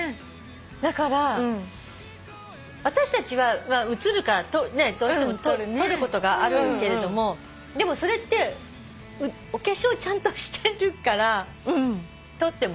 だから私たちは映るからどうしても取ることがあるけれどもでもそれってお化粧ちゃんとしてるから取ってもね